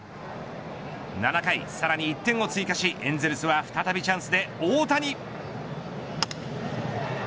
７回、さらに１点を追加しエンゼルスは再びチャンスで大谷。